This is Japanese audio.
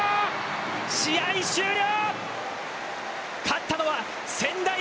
試合終了！